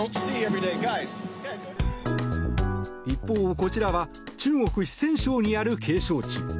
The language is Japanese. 一方、こちらは中国・四川省にある景勝地。